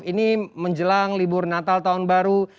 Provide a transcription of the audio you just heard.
ini menjelang libur natal tahun baru